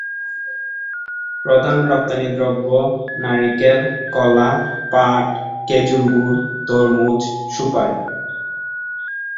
প্রধান রপ্তানিদ্রব্য নারিকেল, কলা, পাট, খেজুর গুড়, তরমুজ, সুপারি।